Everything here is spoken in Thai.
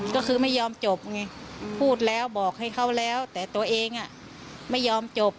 ก็คือไม่ยอมจบไงพูดแล้วบอกให้เขาแล้วแต่ตัวเองไม่ยอมจบ